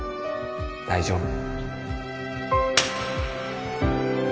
大丈夫